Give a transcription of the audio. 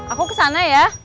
aku kesana ya